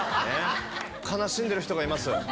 悲しんでる人がいます。